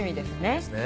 そうですね。